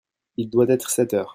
Il doit être sept heures.